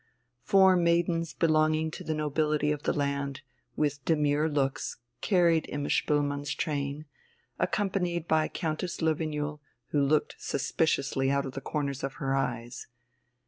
Four maidens belonging to the nobility of the land, with demure looks, carried Imma Spoelmann's train, accompanied by Countess Löwenjoul, who looked suspiciously out of the corners of her eyes.